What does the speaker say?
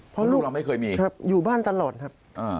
เพราะลูกเราไม่เคยมีครับอยู่บ้านตลอดครับ